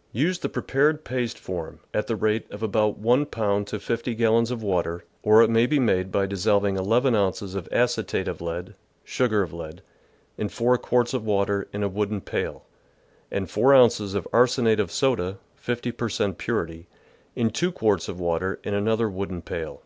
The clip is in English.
— Use the prepared paste form, at the rate of about 1 pound to 50 gallons of THE GARDEN'S ENEMIES water, or it may be made by dissolving 11 ounces of acetate of lead (sugar of lead) in 4 quarts of water, in a wooden pail, and 4 ounces of arsenate of soda (50 per cent purity) in 2 quarts of water in an other wooden pail.